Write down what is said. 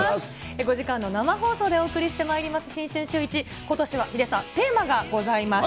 ５時間の生放送でお送りしてまいります、新春シューイチ、今年はヒデさん、テーマがございます。